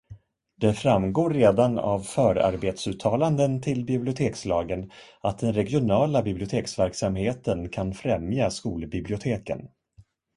Det framgår redan av förarbetsuttalanden till bibliotekslagen att den regionala biblioteksverksamheten kan främja skolbiblioteken.